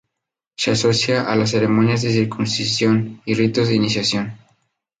Se asocia a las ceremonias de circuncisión y ritos de iniciación.